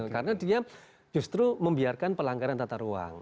karena dia justru membiarkan pelanggaran tata ruang